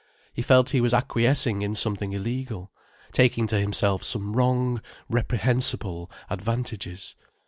He felt he was acquiescing in something illegal, taking to himself some wrong, reprehensible advantages.